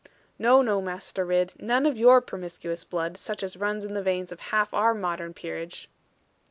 No, no, Master Ridd; none of your promiscuous blood, such as runs in the veins of half our modern peerage.'